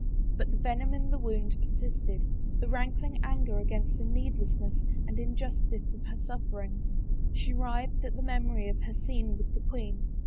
But the venom in the woimd persisted — the rankling anger against the needlessness and injustice of her suffering. She writhed at the memory of her scene with the queen.